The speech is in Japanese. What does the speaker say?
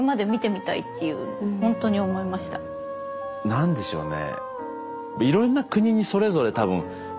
何でしょうね。